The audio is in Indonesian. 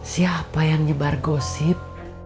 siapa yang nyebar gosip